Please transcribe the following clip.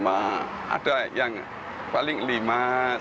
saat ini hanya sebagian warga yang masih bertahan mengolah limah ban